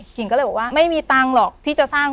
กิ่งก็เลยบอกว่าไม่มีตังค์หรอกที่จะสร้าง